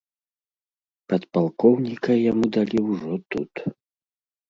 Падпалкоўніка яму далі ўжо тут.